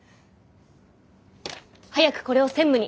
早くこれを専務に。